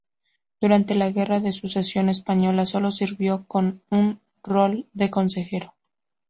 Durante la Guerra de Sucesión Española solo sirvió con un rol de consejero.